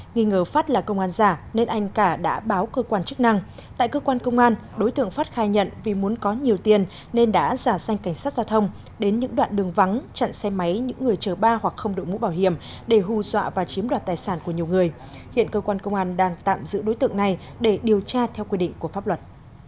nghi ngờ phát là công an giả nên anh cả đã báo cơ quan chức năng tại cơ quan công an đối tượng phát khai nhận vì muốn có nhiều tiền nên đã giả sanh cảnh sát giao thông đến những đoạn đường vắng chặn xe máy những người chờ ba hoặc không đội mũ bảo hiểm để hù dọa và chiếm đoạt tài sản của nhiều người hiện cơ quan công an đang tạm giữ đối tượng này để điều tra theo quy định của pháp luật